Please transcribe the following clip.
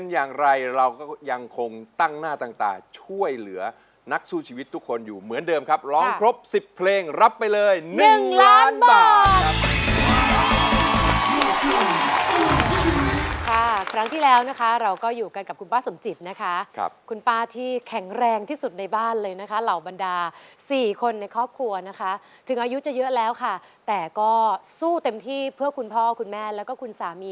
อย่างไรเราก็ยังคงตั้งหน้าตั้งตาช่วยเหลือนักสู้ชีวิตทุกคนอยู่เหมือนเดิมครับร้องครบ๑๐เพลงรับไปเลย๑ล้านบาทครับครั้งที่แล้วนะคะเราก็อยู่กันกับคุณป้าสมจิตนะคะครับคุณป้าที่แข็งแรงที่สุดในบ้านเลยนะคะเหล่าบรรดา๔คนในครอบครัวนะคะถึงอายุจะเยอะแล้วค่ะแต่ก็สู้เต็มที่เพื่อคุณพ่อคุณแม่แล้วก็คุณสามี